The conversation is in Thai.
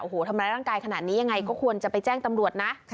โอ้โหทำร้ายร่างกายขนาดนี้ยังไงก็ควรจะไปแจ้งตำรวจนะ